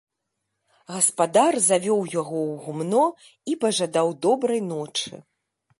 Гаспадар завёў яго ў гумно і пажадаў добрай ночы.